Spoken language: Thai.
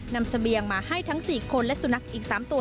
เสบียงมาให้ทั้ง๔คนและสุนัขอีก๓ตัว